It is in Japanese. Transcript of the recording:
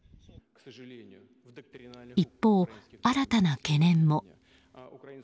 一方、新たな懸念も。